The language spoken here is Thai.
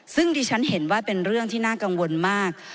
ซึ่งดิฉันเห็นว่าเป็นเรื่องที่น่ากังวลมาก